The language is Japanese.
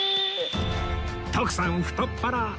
徳さん太っ腹！